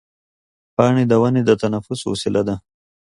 پاڼې د ونې د تنفس وسیله ده.